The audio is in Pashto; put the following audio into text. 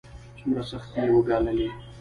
څومره سختۍ يې وګاللې.